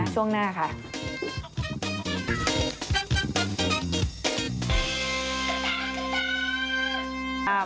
ช่วงหน้าค่ะ